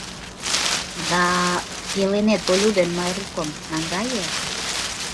Да-а, пеленет Олю ден Майрукым наҥгае.